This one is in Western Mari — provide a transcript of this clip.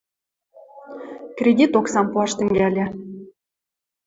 Кредит оксам пуаш тӹнгӓльӹ.